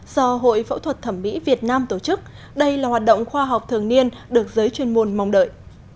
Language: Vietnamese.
do hội phẫu thuật thẩm mỹ việt nam tổ chức đây là hoạt động khoa học thường niên được giới chuyên môn mong đợi